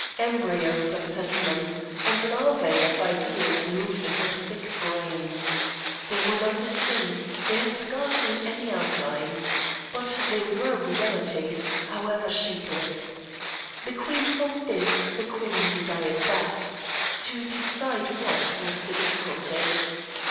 Embryos of sentiments and larvæ of ideas moved in her thick brain. They were not distinct; they had scarcely any outline. But they were realities, however shapeless. The queen thought this; the queen desired that. To decide what was the difficulty.